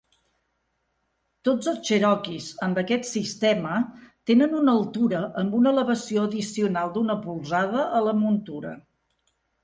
Tots els cherokees amb aquest sistema tenen una altura amb una elevació addicional d'una polzada a la muntura.